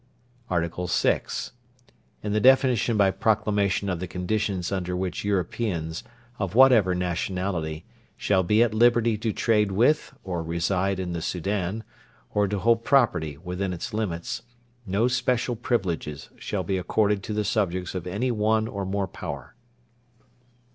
ART. VI. In the definition by Proclamation of the conditions under which Europeans, of whatever nationality, shall be at liberty to trade with or reside in the Soudan, or to hold property within its limits, no special privileges shall be accorded to the subjects of any one or more Power.